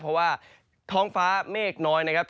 เพราะว่าท้องฟ้าเมฆน้อยนะครับ